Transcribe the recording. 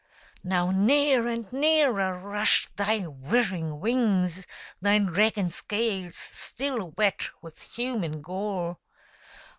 Now near and nearer rush thy whirring wings, Thy dragon scales still wet with human gore.